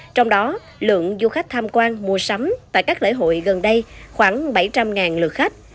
trong đó lượng du khách tham quan mua sắm tại các lễ hội gần đây khoảng bảy trăm linh lượt khách